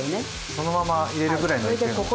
そのまま入れるぐらいの。